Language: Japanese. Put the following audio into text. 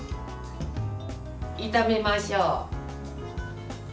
炒めましょう。